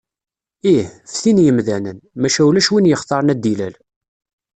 Ih, ftin yemdanen, maca ulac win yextaren ad d-ilal.